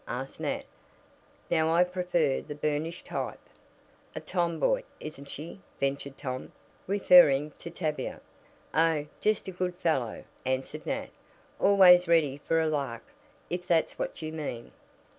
asked Nat. "Now, I prefer the burnished type." "A tomboy, isn't she?" ventured Tom, referring to Tavia. "Oh, just a good fellow," answered Nat. "Always ready for a lark, if that's what you mean."